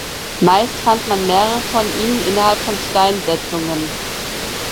Meist fand man mehrere von ihnen innerhalb von Steinsetzungen.